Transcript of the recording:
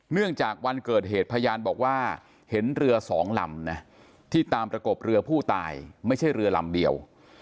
เนื่องจากวันเกิดเหตุพยานบอกว่าเห็นเรือสองลำนะที่ตามประกบเรือผู้ตายไม่ใช่เรือลำเดียว